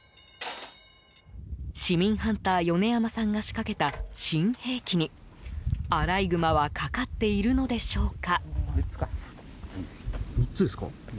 市民ハンター米山さんが仕掛けた新兵器にアライグマはかかっているのでしょうか。